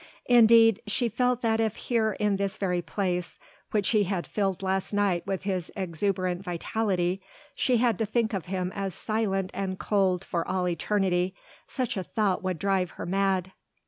Indeed, she felt that if here in this very place which he had filled last night with his exuberant vitality, she had to think of him as silent and cold for all eternity, such a thought would drive her mad.